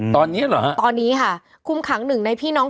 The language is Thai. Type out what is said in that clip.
ตอนนี้เหรอฮะตอนนี้ค่ะคุมขังหนึ่งในพี่น้อง